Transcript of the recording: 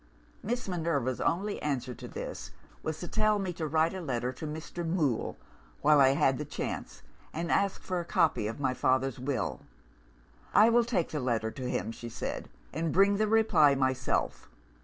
Miss Minerva's only answer to this was to tell me to write to Mr. Mool, while I had the chance, and ask for a copy of my father's Will. 'I will take the letter to him,' she said, 'and bring the reply myself.